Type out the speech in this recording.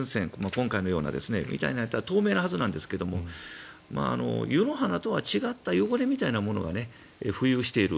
今回のようなみたいのだったら透明なはずなんですが湯の花とは違った汚れみたいなものが浮遊している